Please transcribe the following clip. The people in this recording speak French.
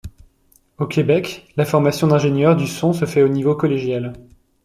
Au Québec, la formation d'ingénieur du son se fait au niveau collégial.